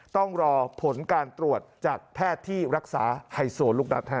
ต้องรอผลการตรวจจากแพทย์ที่รักษาไฮโซลูกนัด